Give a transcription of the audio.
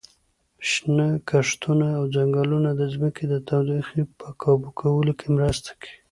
شنه کښتونه او ځنګلونه د ځمکې د تودوخې په کابو کولو کې مرسته کوي.